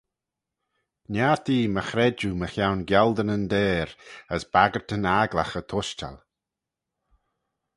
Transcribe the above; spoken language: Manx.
Niartee my chredjue mychione gialdynyn deyr as baggyrtyn agglagh y tushtal.